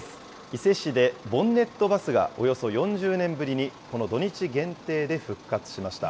伊勢市でボンネットバスがおよそ４０年ぶりに、この土日限定で復活しました。